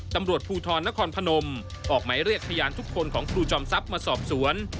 ตำรวจภูทรนครพนมออกหมายเรียกพยานทุกคนของครูจอมทรัพย์มาสอบสวน